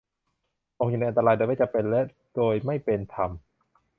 ตกอยู่ในอันตรายโดยไม่จำเป็นและโดยไม่เป็นธรรม